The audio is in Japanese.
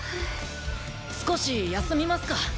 少し休みますか？